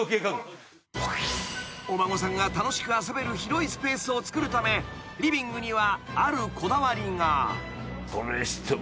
［お孫さんが楽しく遊べる広いスペースをつくるためリビングにはあるこだわりが］